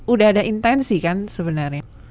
udah ada intensi kan sebenarnya